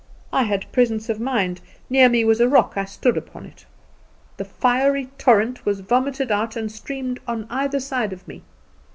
I had presence of mind; near me was a rock; I stood upon it. The fiery torrent was vomited out and streamed on either side of me.